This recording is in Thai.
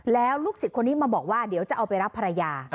แล้วลูกศิษย์คนนี้มาบอกว่าเดี๋ยวจะเอาไปรับภรรยา